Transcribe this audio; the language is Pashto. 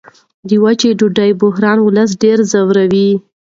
د وچې ډوډۍ بحران ولس ډېر ځوروي.